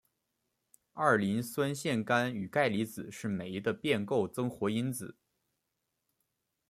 二磷酸腺苷与钙离子是酶的变构增活因子。